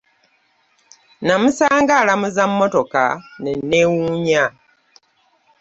Namusanga alamuza mmotoka ne nneewuunya.